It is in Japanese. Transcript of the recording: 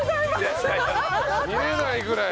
見られないぐらい。